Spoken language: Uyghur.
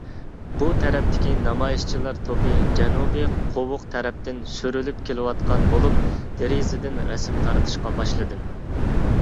بۇ تەرەپتىكى نامايىشچىلار توپى جەنۇبى قوۋۇق تەرەپتىن سۈرۈلۈپ كېلىۋاتقان بولۇپ دېرىزىدىن رەسىم تارتىشقا باشلىدىم.